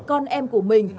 con em của mình